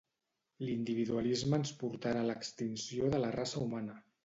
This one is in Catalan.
L'individualisme ens portarà a l'extinció de la raça humana